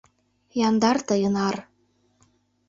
Яндар тыйын ар.